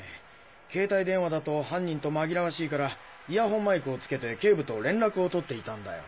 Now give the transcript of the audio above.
携帯電話だと犯人とまぎらわしいからイヤホンマイクを付けて警部と連絡をとっていたんだよ。